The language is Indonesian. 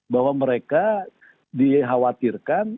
bahwa mereka dikhawatirkan